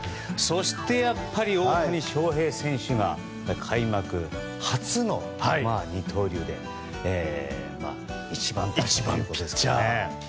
そしてやっぱり大谷翔平選手が開幕初の二刀流で１番ピッチャー。